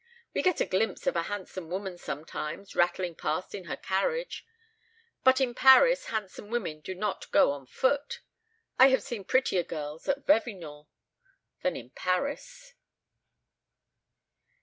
"We get a glimpse of a handsome woman sometimes, rattling past in her carriage; but in Paris handsome women do not go on foot. I have seen prettier girls at Vevinord than in Paris."